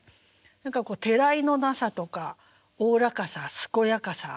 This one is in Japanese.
何かてらいのなさとかおおらかさ健やかさ。